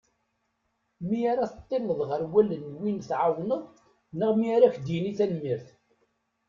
Mi ara teṭṭileḍ ɣer wallen n win tɛawneḍ neɣ mi ara ak-d-yini tanmirt.